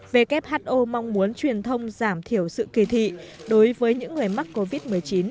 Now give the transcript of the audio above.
who mong muốn truyền thông giảm thiểu sự kỳ thị đối với những người mắc covid một mươi chín